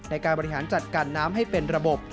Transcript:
ในการบริหารจัดการน้ำให้เป็นระบบ